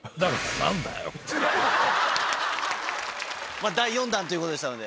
まぁ第４弾ということでしたので。